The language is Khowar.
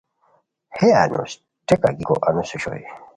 ہے انوس ٹیکہ گیکو انوس اوشوئے